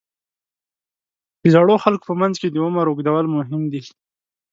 د زړو خلکو په منځ کې د عمر اوږدول مهم دي.